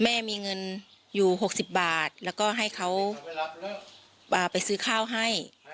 แม่มีเงินอยู่๖๐บาทแล้วก็ให้เขาไปซื้อข้าวให้